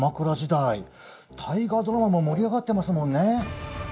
大河ドラマも盛り上がってますもんね。